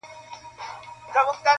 لمر کمزوری ښکاري دلته ډېر,